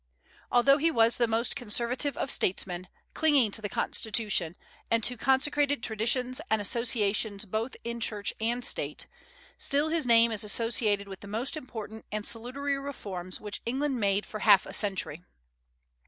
Although he was the most conservative of statesmen, clinging to the Constitution, and to consecrated traditions and associations both in Church and State, still his name is associated with the most important and salutary reforms which England made for half a century.